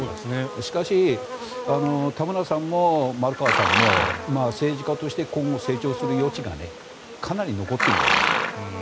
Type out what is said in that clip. しかし、田村さんも丸川さんも政治家として今後成長する余地がかなり残っているんじゃないですか。